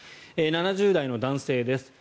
７０代の男性です。